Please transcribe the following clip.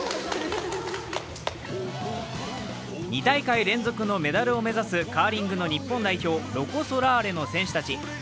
２大会連続のメダルを目指すカーリングの日本代表、ロコ・ソラーレの選手たち。